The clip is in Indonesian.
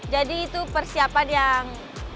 jadi itu persiapan yang